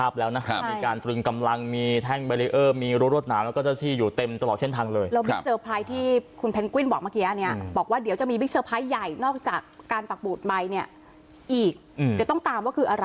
เพราะว่าก็ได้เห็นภาพแล้วนะ